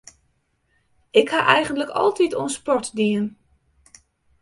Ik ha eigentlik altyd oan sport dien.